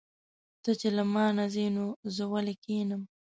ته چې له مانه ځې نو زه ولې کښېنم.